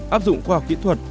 áp dụng khoa học kỹ thuật